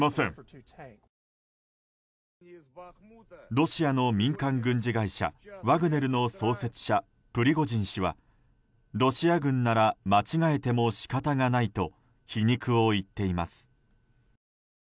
ロシアの民間軍事会社ワグネルの創設者、プリゴジン氏はロシア軍なら間違えても仕方がないと皮肉を言っています。